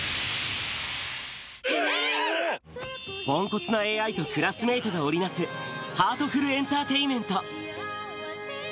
ぽんこつなＡＩとクラスメートが織り成す、ハートフルエンターテインメント。